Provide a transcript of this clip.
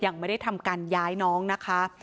ยังไม่ได้ทำการย้ายน้องนะคะ